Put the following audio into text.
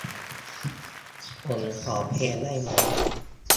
ผมขอเพลงได้ไหม ?